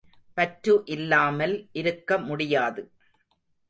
பற்று இல்லாமல் இருக்கமுடியாது.